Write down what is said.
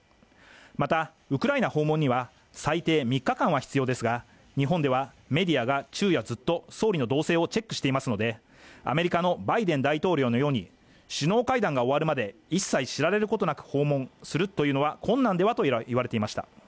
また、ウクライナ訪問には最低３日間は必要ですが、日本ではメディアが昼夜ずっと総理の動静をチェックしていますのでアメリカのバイデン大統領のように首脳会談が終わるまで一切知られることなく訪問するというのは困難ではと言われていました。